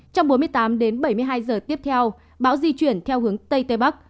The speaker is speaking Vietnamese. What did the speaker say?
trong bốn mươi tám đến bảy mươi hai giờ tiếp theo bão di chuyển theo hướng tây tây bắc